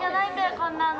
こんなの。